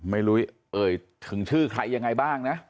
ไม่รู้เอ่ยถึงชื่อใครยังไงบ้างนะ